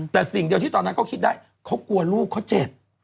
แต่สิ่งเดียวที่ตอนนั้นก็คิดได้เขากลัวลูกเขาเจ็บ